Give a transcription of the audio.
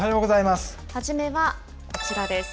初めはこちらです。